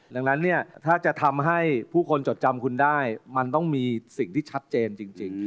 ดังนั้นเนี่ยถ้าจะทำให้ผู้คนจดจำคุณได้มันต้องมีสิ่งที่ชัดเจนจริง